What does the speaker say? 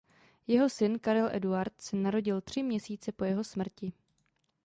Jeho syn Karel Eduard se narodil tři měsíce po jeho smrti.